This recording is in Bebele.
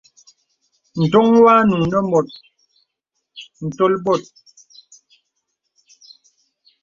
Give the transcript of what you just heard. Ǹdoŋ wanùŋ nə mùt ǹtol bòt.